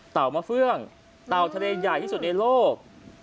มะเฟื่องเต่าทะเลใหญ่ที่สุดในโลก